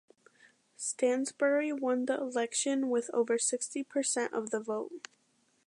Stansbury won the election with over sixty percent of the vote.